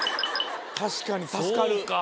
確かに助かる。